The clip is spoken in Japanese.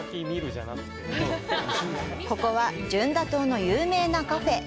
ここは、ジュンダ島の有名なカフェ。